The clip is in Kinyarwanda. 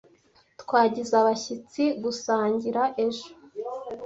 Twagize abashyitsi gusangira ejo.